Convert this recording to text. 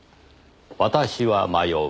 「私は迷う。